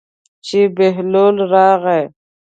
چې بهلول راغی.